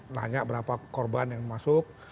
nanya berapa korban yang masuk